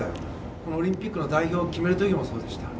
このオリンピックの代表を決める時もそうでした。